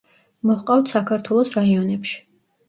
მოჰყავთ საქართველოს რაიონებში.